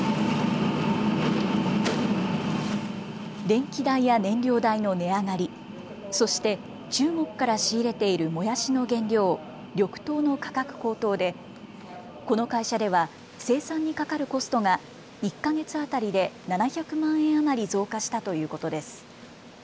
電気代や燃料代の値上がり、そして中国から仕入れているもやしの原料、緑豆の価格高騰でこの会社では生産にかかるコストが１か月当たりで７００万円余り増加したということです。